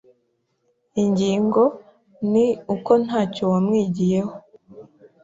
Ingingo ni uko ntacyo wamwigiyeho.